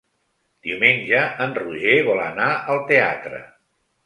Diumenge en Roger vol anar al teatre.